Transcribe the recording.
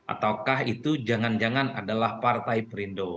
ataukah itu jangan jangan adalah partai perindo